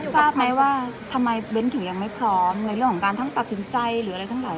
ทราบไหมว่าทำไมเบ้นถึงยังไม่พร้อมในเรื่องของการทั้งตัดสินใจหรืออะไรทั้งหลาย